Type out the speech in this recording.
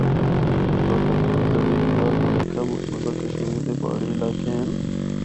مظفرٓاباد ڈویژن نال ملحقہ مقبوضہ کشمیر دے پہاڑی علاقے ہن۔